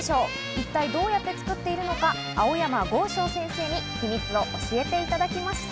一体どうやって作っているのか、青山剛昌先生に秘密を教えていただきました。